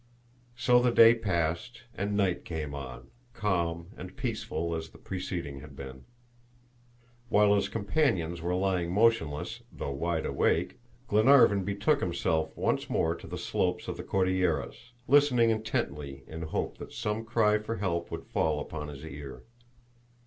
So the day passed, and night came on, calm and peaceful as the preceding had been. While his companions were lying motionless, though wide awake, Glenarvan betook himself once more to the slopes of the Cordilleras, listening intently in hope that some cry for help would fall upon his ear.